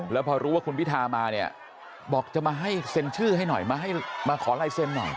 แล้วพอรู้ว่าคุณพิธามาเนี่ยบอกจะมาให้เซ็นชื่อให้หน่อยมาให้มาขอลายเซ็นหน่อย